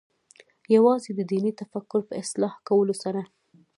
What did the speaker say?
یوازې د دیني تفکر په اصلاح کولو سره.